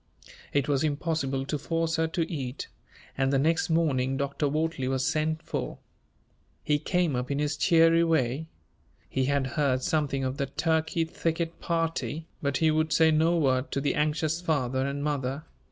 It was impossible to force her to eat, and the next morning Dr. Wortley was sent for. He came up in his cheery way; he had heard something of the Turkey Thicket party, but he would say no word to the anxious father and mother.